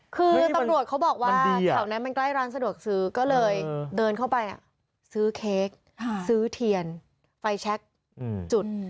คือตำรวจเขาบอกว่าแถวนั้นมันใกล้ร้านสะดวกซื้อก็เลยเดินเข้าไปซื้อเค้กซื้อเทียนไฟแชคจุด